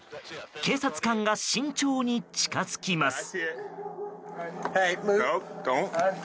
警察官が慎重に近づきます。